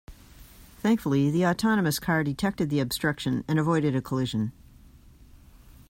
Thankfully the autonomous car detected the obstruction and avoided a collision.